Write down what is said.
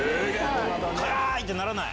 辛い！ってならない？